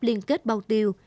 liên kết bao tiêu